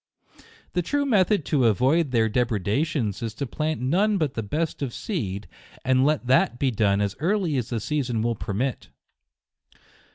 The true method to avoid their depreda tions is to plant none but the best of seed, and let that be done as early as the season will permit.